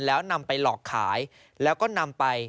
แล้วนำไปหลอกขายแล้วก็นำไป